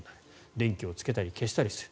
電気をつけたり、消したりする。